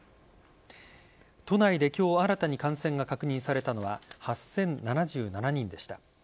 都内で今日新たに感染が確認されたのは８０７７人でした。